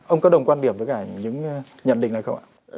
ông có đồng quan điểm với cả những nhận định này không ạ